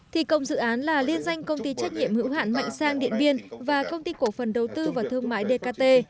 thị công dự án là liên doanh công ty trách nhiệm hữu hạn mạnh sang điện biên và công ty cổ phần đầu tư vào thương mại dkt